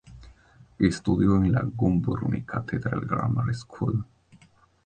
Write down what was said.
Estudió en la Bunbury Cathedral Grammar School.